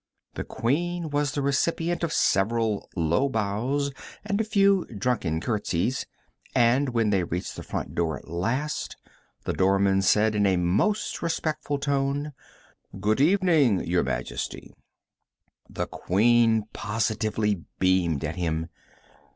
The Queen was the recipient of several low bows and a few drunken curtsies, and, when they reached the front door at last, the doorman said in a most respectful tone: "Good evening, Your Majesty." The Queen positively beamed at him.